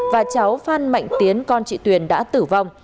và cháu phan mạnh tiến con chị tuyền đã tử vong